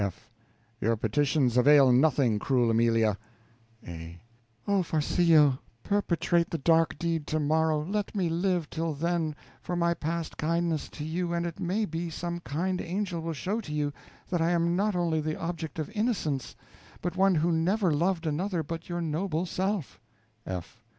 F. Your petitions avail nothing, cruel Amelia. A. Oh, Farcillo, perpetrate the dark deed tomorrow; let me live till then, for my past kindness to you, and it may be some kind angel will show to you that I am not only the object of innocence, but one who never loved another but your noble self. F.